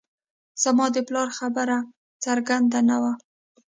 زما د پلار خبره څرګنده نه وه